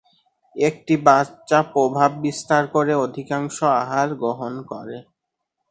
একটি বাচ্চা প্রভাব বিস্তার করে অধিকাংশ আহার গ্রহণ করে।